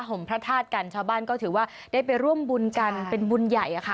พระธาตุกันชาวบ้านก็ถือว่าได้ไปร่วมบุญกันเป็นบุญใหญ่อะค่ะ